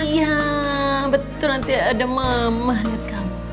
iya betul nanti ada mama kamu